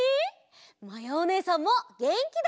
まやおねえさんもげんきだよ！